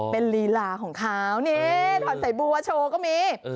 เป็นลีลาของเขานี่ถอดใส่บัวโชว์ก็มี